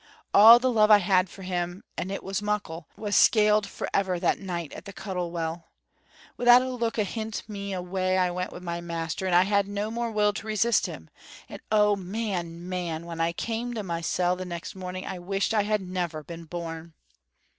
All the love I had for him, and it was muckle, was skailed forever that night at the Cuttle Well. Without a look ahint me away I went wi' my master, and I had no more will to resist him and oh, man, man, when I came to mysel' next morning I wished I had never been born!